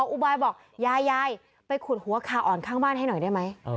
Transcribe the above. อุบายบอกยายยายไปขุดหัวคาอ่อนข้างบ้านให้หน่อยได้ไหม